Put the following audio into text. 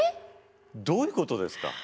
どういうことですか。